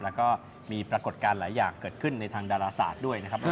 แล้วก็มีปรากฏการณ์หลายอย่างเกิดขึ้นในทางดาราศาสตร์ด้วยนะครับ